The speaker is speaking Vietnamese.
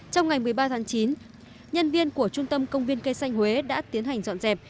trong ngày một mươi ba tháng chín nhân viên của trung tâm công viên cây xanh huế đã tiến hành dọn dẹp